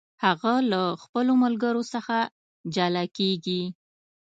هغه له خپلو ملګرو څخه جلا کیږي.